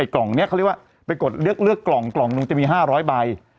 กล่องนี้เขาเรียกว่าไปกดเลือกกล่องกล่องหนึ่งจะมี๕๐๐ใบ